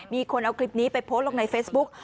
มีคนเอาคลิปนี้ไปโพสต์ลงในเฟซบุ๊ก